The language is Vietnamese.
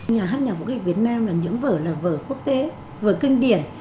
nhà hát nhạc vũ kịch việt nam là những vở là vở quốc tế vở kinh điển